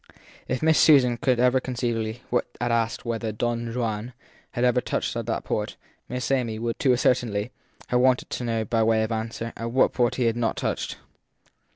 If Miss Susan could conceivably have asked whether Don Juan had ever touched at that port, Miss Amy would, to a certainty, have wanted to know by way of answer at what port he had not touched.